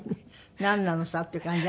なんなのさっていう感じ。